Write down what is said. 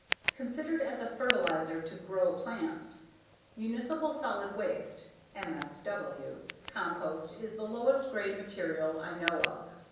Considered as a fertilizer to GROW plants, Municipal Solid Waste (MSW) compost is the lowest grade material I know of.